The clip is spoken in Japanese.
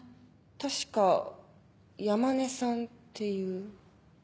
確か山根さんっていう。